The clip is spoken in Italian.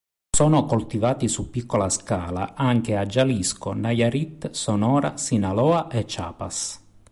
Sono coltivati su piccola scala anche a Jalisco, Nayarit, Sonora, Sinaloa, e Chiapas.